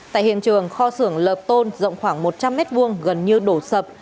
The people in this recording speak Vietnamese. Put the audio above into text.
tại hiện trường kho xưởng lợp tôn rộng khoảng một trăm linh mét vuông gần như đổ sập